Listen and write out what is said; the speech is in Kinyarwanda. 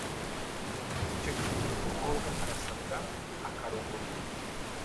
Icyo gihe umukobwa arasabwa akarongorwa